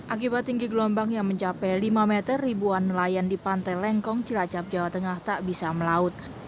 akibat tinggi gelombang yang mencapai lima meter ribuan nelayan di pantai lengkong cilacap jawa tengah tak bisa melaut